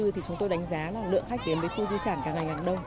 thì chúng tôi đánh giá là lượng khách đến với khu di sản cả ngày ngàn đông